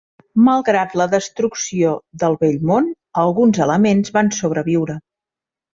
Malgrat la destrucció del vell món, alguns elements van sobreviure.